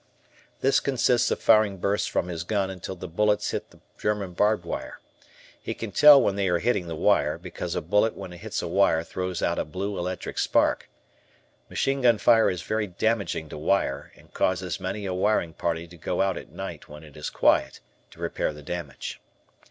This consists of firing bursts from his gun until the bullets hit the German barbed wire. He can tell when they are cutting the wire, because a bullet when it hits a wire throws out a blue electric spark. Machine gun fire is very damaging to wire and causes many a wiring party to go out at night when it is quiet to repair the damage.